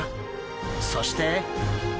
そして！